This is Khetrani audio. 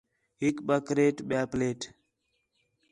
ہِک بکریٹ ٻِیا پلیٹ